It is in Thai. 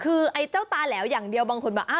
คือไอ้เจ้าตาแหลวอย่างเดียวบางคนบอก